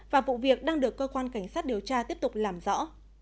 và vụ việc đang được cơ quan cảnh sát điều tra tiếp tục làm rõ